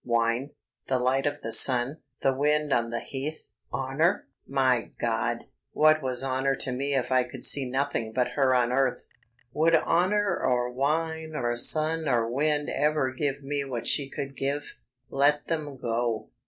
Wine? The light of the sun? The wind on the heath? Honour! My God, what was honour to me if I could see nothing but her on earth? Would honour or wine or sun or wind ever give me what she could give? Let them go.